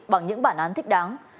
bằng những bản án thích đáng